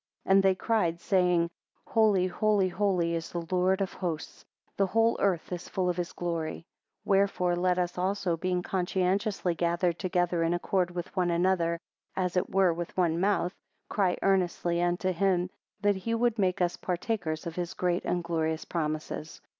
And they cried, saying, Holy, holy, holy is the Lord of hosts; The whole earth is full of his glory. 7 Wherefore let us also, being conscientiously gathered together in concord with one another; as it were with one mouth, cry, earnestly unto him, that he would make us partakers of his great and glorious promises.